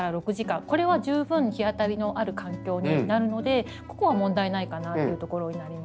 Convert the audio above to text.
これは十分日当たりのある環境になるのでここは問題ないかなというところになります。